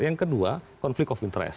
yang kedua konflik of interest